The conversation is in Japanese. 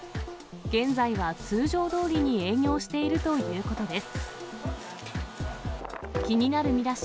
現在は通常どおりに営業しているということです。